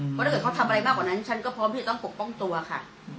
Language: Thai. เพราะถ้าเกิดเขาทำอะไรมากกว่านั้นฉันก็พร้อมที่จะต้องปกป้องตัวค่ะ